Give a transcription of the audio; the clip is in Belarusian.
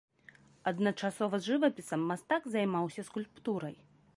Адначасова з жывапісам мастак займаўся скульптурай.